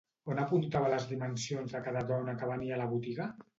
On apuntava les dimensions de cada dona que venia a la botiga?